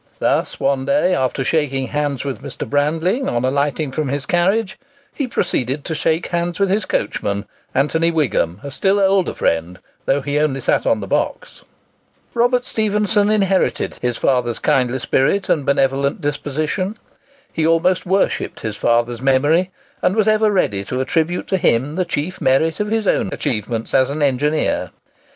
Thus, one day, after shaking hands with Mr. Brandling on alighting from his carriage, he proceeded to shake hands with his coachman, Anthony Wigham, a still older friend, though he only sat on the box. Robert Stephenson inherited his father's kindly spirit and benevolent disposition. He almost worshipped his father's memory, and was ever ready to attribute to him the chief merit of his own achievements as an engineer.